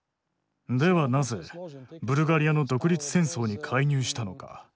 ではなぜブルガリアの独立戦争に介入したのか。